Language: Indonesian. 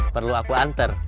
perlu aku antar